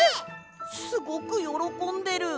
すごくよろこんでる！